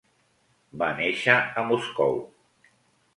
Va néixer a Moscou.